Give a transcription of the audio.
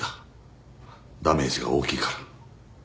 ダメージが大きいから。